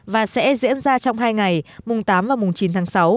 và sẽ diễn ra trong hai ngày mùng tám và mùng chín tháng sáu